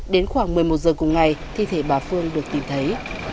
đến khoảng một mươi một giờ cùng ngày thi thể bà phương được tìm thấy